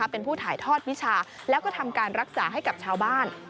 เป็นผู้ถ่ายทอดวิชาแล้วก็ทำการรักษาให้กับชาวบ้าน